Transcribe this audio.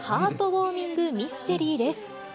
ウォーミングミステリーです。